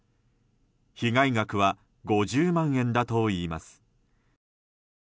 被害額は５０万円だといいます。